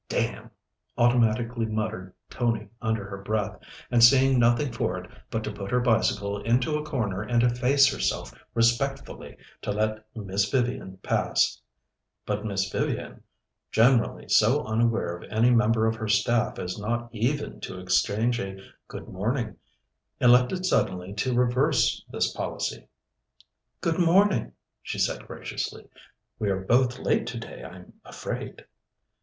"Damn!" automatically muttered Tony under her breath, and seeing nothing for it but to put her bicycle into a corner and efface herself respectfully to let Miss Vivian pass. But Miss Vivian, generally so unaware of any member of her staff as not even to exchange a "Good morning," elected suddenly to reverse this policy. "Good morning," she said graciously. "We're both late today, I'm afraid."